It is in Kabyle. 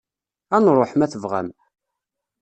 Ad nruḥ, ma tebɣam.